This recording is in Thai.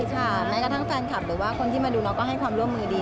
ค่ะแม้กระทั่งแฟนคลับหรือว่าคนที่มาดูเราก็ให้ความร่วมมือดี